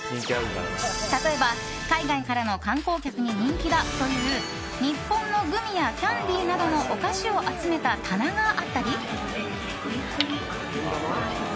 例えば海外からの観光客に人気だという日本のグミやキャンディーなどのお菓子を集めた棚があったり。